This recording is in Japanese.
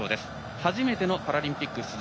初めてのパラリンピック出場